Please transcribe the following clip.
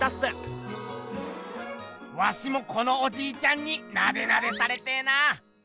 ワシもこのおじいちゃんになでなでされてぇな！